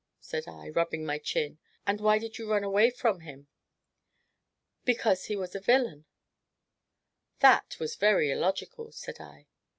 said I, rubbing my chin. "And why did you run away from him?" "Because he was a villain." "That was very illogical!" said I.